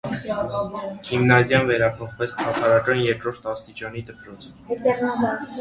Գիմնազիան վերափոխվեց թաթարական երկրորդ աստիճանի դպրոց։